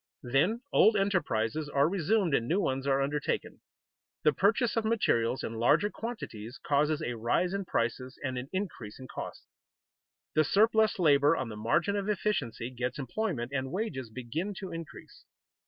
Then old enterprises are resumed and new ones are undertaken. The purchase of materials in larger quantities causes a rise in prices and an increase in costs. The surplus labor on the margin of efficiency gets employment, and wages begin to increase.